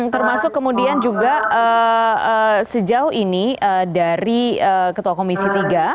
termasuk kemudian juga sejauh ini dari ketua komisi tiga